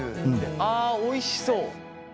あおいしそう。